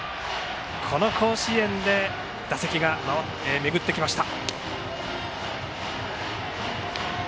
この甲子園で打席がめぐってきました。